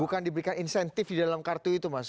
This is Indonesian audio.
bukan diberikan insentif di dalam kartu itu mas